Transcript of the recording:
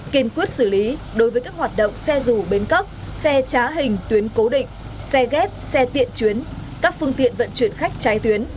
kiên quyết xử lý đối với các hoạt động xe dù bến cóc xe trá hình tuyến cố định xe ghép xe tiện chuyến các phương tiện vận chuyển khách trái tuyến